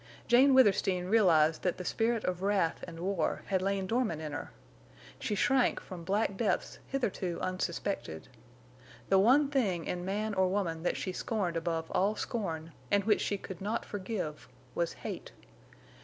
Jane Withersteen realized that the spirit of wrath and war had lain dormant in her. She shrank from black depths hitherto unsuspected. The one thing in man or woman that she scorned above all scorn, and which she could not forgive, was hate.